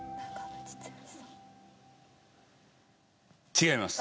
違います。